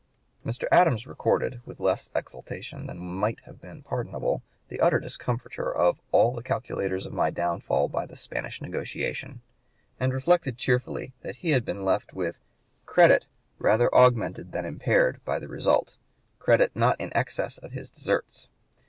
Mr. Adams recorded, with less of exultation than might have been pardonable, the utter discomfiture of "all the calculators of my downfall by the Spanish negotiation," and reflected cheerfully that he had been left with "credit rather augmented than impaired by the result," credit not in excess of his deserts.